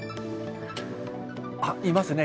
あっいますね。